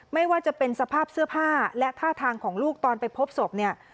ไม่ว่าจะเป็นสภาพเสื้อผ้าและท่าทางของลูกตอนไปพบศพเนี่ย